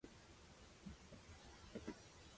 La pareja trajo al mundo la línea Habsburgo-Este.